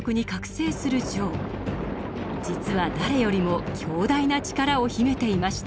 実は誰よりも強大な力を秘めていました。